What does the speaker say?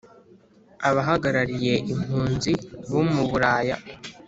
abahagarariye impunzi bo mu buraya